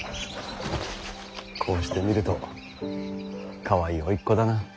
こうして見るとかわいい甥っ子だな。